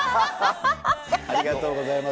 ありがとうございます。